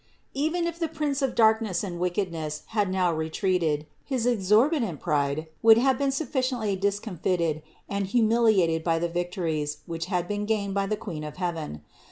359. Even if the prince of darkness and wickedness had now retreated, his exorbitant pride would have been sufficiently discomfited and humiliated by the victories, which had been gained by the Queen of heaven.